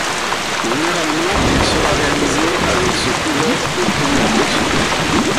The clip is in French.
Généralement, il sera réalisé avec ce coureur au premier but.